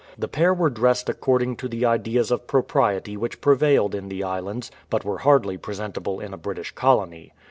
The pair were dressed accord ing to the ideas of propriety which prevailed in the islands, but were hardly presentable in a British colony.